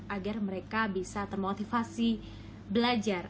agar mereka bisa termotivasi belajar